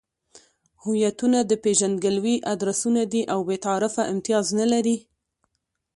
هویتونه د پېژندګلوۍ ادرسونه دي او بې تعارفه امتیاز نلري.